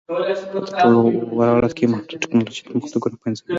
په تر ټولو غوره حالت کې محدود ټکنالوژیکي پرمختګونه پنځوي